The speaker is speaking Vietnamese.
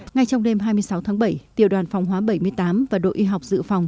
ngay trong đêm hai mươi sáu tháng bảy tiểu đoàn phòng hóa bảy mươi tám và đội y học dự phòng